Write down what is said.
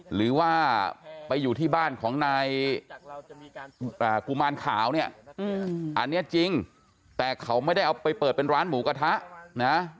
หรือว่าไปอยู่ที่บ้านของนายกุมารขาวเนี่ยอันนี้จริงแต่เขาไม่ได้เอาไปเปิดเป็นร้านหมูกระทะนะ